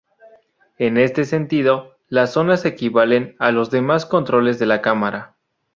En este sentido, las Zonas equivalen a los demás controles de la cámara.